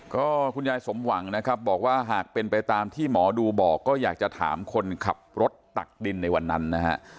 ก็คุณยายสมหวังนะครับบอกว่าหากเป็นไปตามที่หมอดูบอกก็อยากจะถามคนขับรถตักดินในวันนั้นนะฮะ